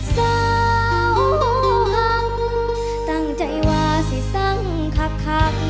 เศร้าฮังตั้งใจว่าสิสังคัก